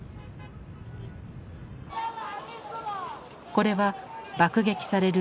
これは爆撃される